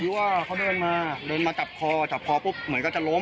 หรือว่าเขามึยมักมาเดินมาจับคอจับคอแบบนั้นพอเหมือนจะลม